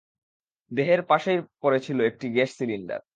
দেহের পাশেই পড়ে ছিল একটি গ্যাস সিলিন্ডার।